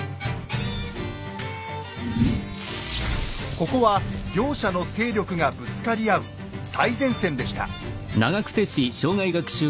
ここは両者の勢力がぶつかり合う最前線でした。